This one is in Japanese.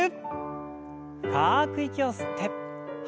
深く息を吸って吐いて。